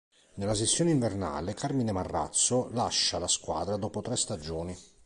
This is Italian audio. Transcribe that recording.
Nella sessione invernale Carmine Marrazzo lascia la squadra dopo tre stagioni.